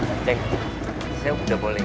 eh tungguin atau besan